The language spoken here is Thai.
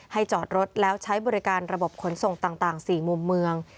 จอดรถแล้วใช้บริการระบบขนส่งต่าง๔มุมเมือง